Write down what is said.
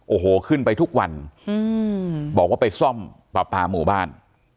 โอ้โหขึ้นไปทุกวันบอกว่าไปซ่อมปลาปลาหมู่บ้าน